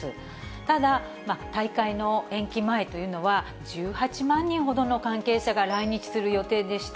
ただ、大会の延期前というのは、１８万人ほどの関係者が来日する予定でした。